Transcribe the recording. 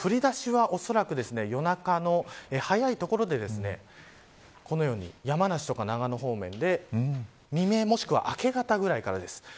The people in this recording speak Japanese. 降りだしは、おそらく夜中の早い所でこのように山梨とか長野方面で未明、もしくは明け方ぐらいです。